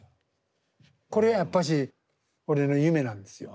これやっぱし俺の夢なんですよ